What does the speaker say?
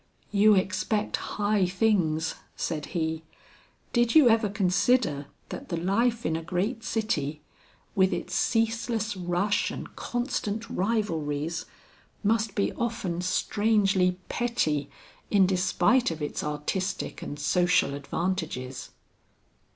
"You expect high things," said he; "did you ever consider that the life in a great city, with its ceaseless rush and constant rivalries, must be often strangely petty in despite of its artistic and social advantages?"